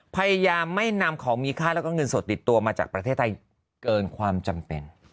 พยายามไม่นำของมีค่าแล้วก็เงินสดติดตัวมาจากประเทศไทยเกินความจำเป็น